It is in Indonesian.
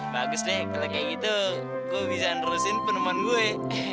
bagus deh kalau kayak gitu gue bisa nerusin penemuan gue